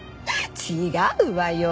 違うわよ